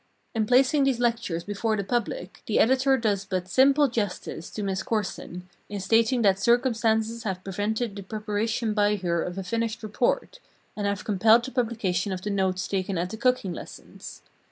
In placing these lectures before the public the editor does but simple justice to Miss Corson in stating that circumstances have prevented the preparation by her of a finished report, and have compelled the publication of the notes taken at the "cooking lessons."